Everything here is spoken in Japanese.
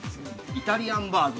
◆イタリアンバーグ？